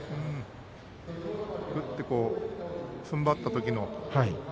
ぐっとふんばったときの。